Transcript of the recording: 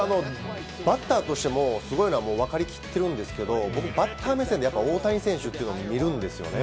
バッターとしてもすごいのは分かりきっているんですけれども、僕、バッター目線で、大谷選手というのを見るんですよね。